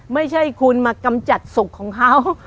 ไม่ใช่คุณมากำจัดสุขของเขา